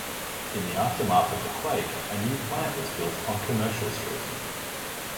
In the aftermath of the quake, a new plant was built on Commercial Street.